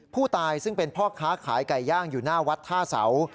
ผู้ตายซึ่งเป็นพ่อค้าขายไก่ย่างอยู่หน้าวัดท่าเสา